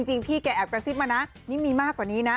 พี่แกแอบกระซิบมานะนี่มีมากกว่านี้นะ